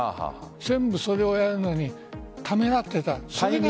全部それをやるのにためらっていた。